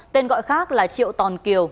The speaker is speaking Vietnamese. tên gọi khác là triệu tòn kiều